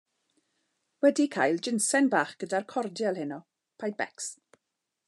Wedi cael jinsen bach gyda'r cordial heno paid becs!